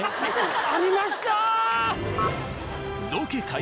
ありました！